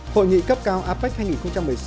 hội nghị cấp cao apec hcm